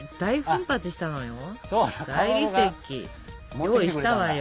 用意したわよ。